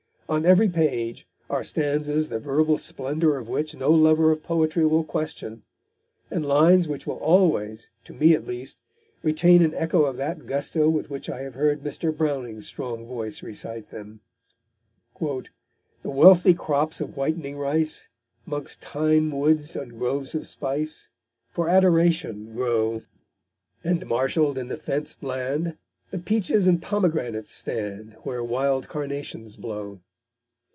On every page are stanzas the verbal splendour of which no lover of poetry will question, and lines which will always, to me at least, retain an echo of that gusto with which I have heard Mr. Browning's strong voice recite them: _The wealthy crops of whitening rice 'Mongst thyine woods and groves of spice, For Adoration grow; And, marshall'd in the fencèd land, The peaches and pomegranates stand, Where wild carnations blow.